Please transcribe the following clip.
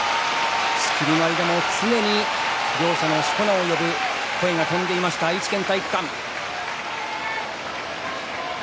仕切りの間、常に両者のしこ名を呼ぶ声が飛んでいました愛知県体育館。